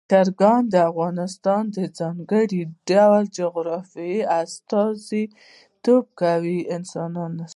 چرګان د افغانستان د ځانګړي ډول جغرافیه استازیتوب کوي.